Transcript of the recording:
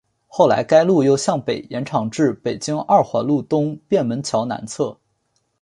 后来该路又向北延长至北京二环路东便门桥南侧。